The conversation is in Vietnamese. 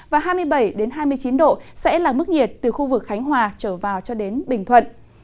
và hai mươi bảy hai mươi chín độ sẽ là mức nhiệt từ khu vực khánh hòa trở vào cho đến bình thuận